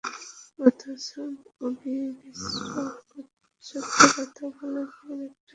অথচ অবিমিশ্র সত্যকথা বলা মেয়ের একটা ব্যসন বললেই হয়।